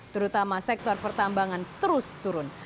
terutama sektor pertambangan terus turun